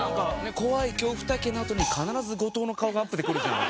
怖い恐怖体験のあとに必ず後藤の顔がアップでくる。